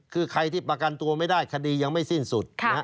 คือใครที่ประกันตัวไม่ได้คดียังไม่สิ้นสุด